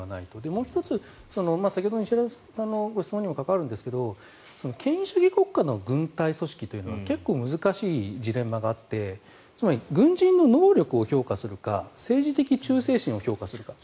もう１つ先ほどの石原さんの質問にも関わるんですが権威主義国家の軍隊組織というのは結構難しいジレンマがあってつまり、軍人の能力を評価するか政治的忠誠心を評価するか。